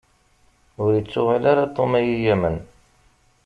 Ur ittuɣal ara Tom ad yi-yamen.